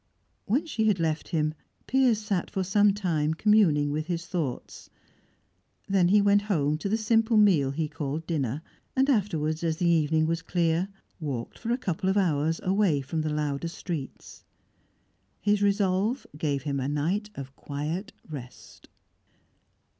When she had left him, Piers sat for some time communing with his thoughts. Then he went home to the simple meal he called dinner, and afterwards, as the evening was clear, walked for a couple of hours away from the louder streets. His resolve gave him a night of quiet rest.